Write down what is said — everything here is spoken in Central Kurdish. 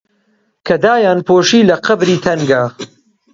کە دایانپۆشی لە قەبری تەنگا